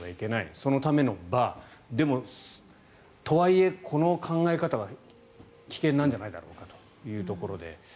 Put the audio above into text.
そのための場でも、とはいえこの考え方は危険なんじゃないかだろうかというところで。